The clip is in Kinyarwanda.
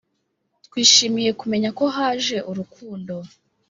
Twishimiye kumenya ko haje urukundo